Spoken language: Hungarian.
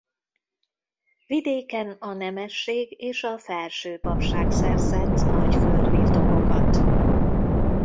Vidéken a nemesség és a felső papság szerzett nagy földbirtokokat.